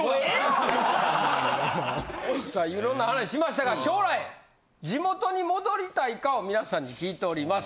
さあ色んな話しましたが将来地元に戻りたいかを皆さんに聞いております。